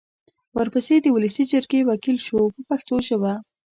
ورپسې د ولسي جرګې وکیل شو په پښتو ژبه.